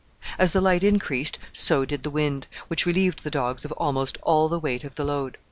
As the light increased so did the wind, which relieved the dogs of almost all the weight of the load.